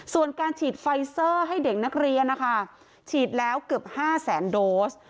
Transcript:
ส่วนการฉีดไฟเซอร์ให้เด็กนักเรียนนะคะฉีดแล้วเกือบ๕แสนโดส